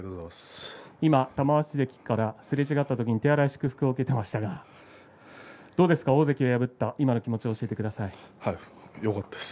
今玉鷲関から、すれ違ったときに手荒い祝福を受けていましたがどうですか、大関を破ったよかったです、